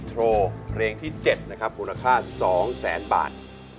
ถ้าร้องผิดพี่กบขาเหลือ๕๐๐๐๐บาท